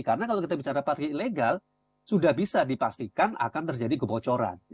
karena kalau kita bicara parkir ilegal sudah bisa dipastikan akan terjadi kebocoran